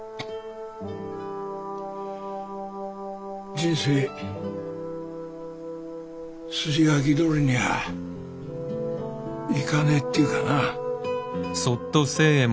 人生筋書きどおりにゃいかねえっていうかな。